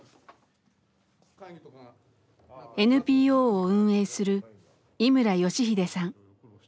ＮＰＯを運営する井村良英さん。